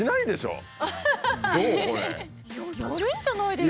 いややるんじゃないですか？